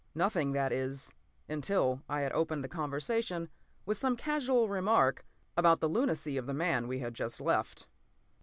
Nothing, that is, until I had opened the conversation with some casual remark about the lunacy of the man we had just left.